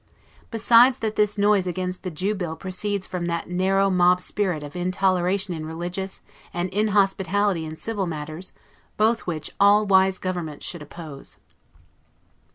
Besides that this noise against the Jew bill proceeds from that narrow mobspirit of INTOLERATION in religious, and inhospitality in civil matters; both which all wise governments should oppose.